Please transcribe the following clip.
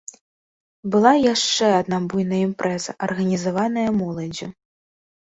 Была і яшчэ адна буйная імпрэза, арганізаваная моладдзю.